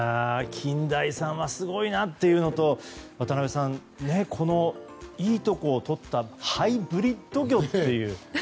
近大産はすごいなというのと、渡辺さんいいところをとったハイブリッド魚という。